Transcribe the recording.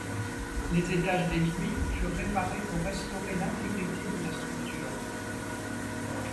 Les étages détruits furent réparés pour restaurer l'intégrité de la structure.